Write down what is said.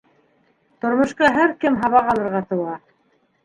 Тормошҡа һәр кем һабаҡ алырға тыуа.